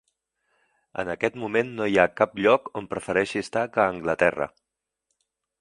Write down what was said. En aquest moment no hi ha cap lloc on prefereixi estar que a Anglaterra.